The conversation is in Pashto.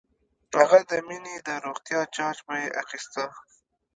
هغه د مينې د روغتيا جاج به یې اخيسته